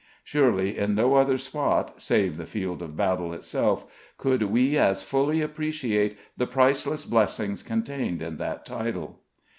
Surely in no other spot, save the field of battle itself, could we as fully appreciate the priceless blessings contained in that Title.